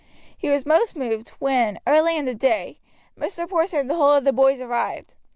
He was most moved when, early in the day, Mr. Porson and the whole of the boys arrived.